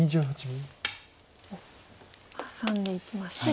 ハサんでいきました。